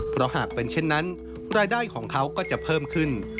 เพราะหากเป็นเช่นนั้นรายได้ของเขาก็จะเพิ่มขึ้น